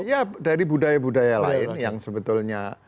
ya dari budaya budaya lain yang sebetulnya